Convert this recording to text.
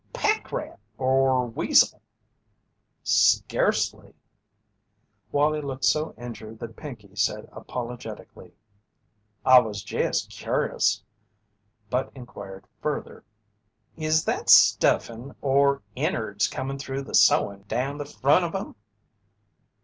"Pack rat or weasel?" "Scarcely!" Wallie looked so injured that Pinkey said apologetically: "I was jest cur'ous." But inquired further: "Is that stuffin' or in'ards coming through the sewin' down the front of 'em?"